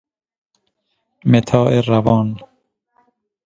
متاع روان